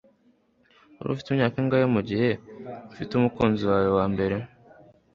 Wari ufite imyaka ingahe mugihe ufite umukunzi wawe wambere